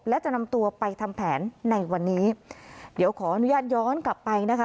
และจะนำตัวไปทำแผนในวันนี้เดี๋ยวขออนุญาตย้อนกลับไปนะคะ